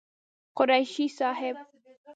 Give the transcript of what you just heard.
قريشي صاحب